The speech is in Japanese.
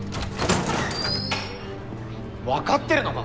分かってるのか？